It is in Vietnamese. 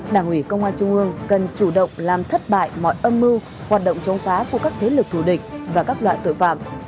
đảng ủy công an trung ương cần chủ động làm thất bại mọi âm mưu hoạt động chống phá của các thế lực thủ địch và các loại tội phạm